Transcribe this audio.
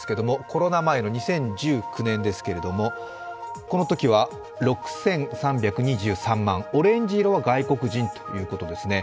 コロナ前の２０１９年ですけれどもこのときは６３２３万、オレンジ色は外国人ということですね。